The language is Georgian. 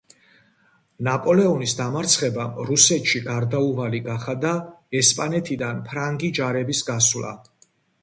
ნაპოლეონის დამარცხებამ რუსეთში გარდაუვალი გახადა ესპანეთიდან ფრანგი ჯარების გასვლა.